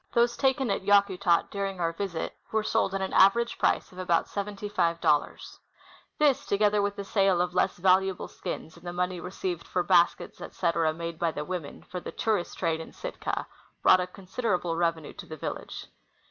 Those taken at Yakutat during our visit were sold at an average price of about seventy five dollars. This, The Yakutat Indians. . 81 together with the sale of less valuable skins and the money received for baskets, etc., made by the women for the tourist trade in Sitka, brought a considerable revenue to the village.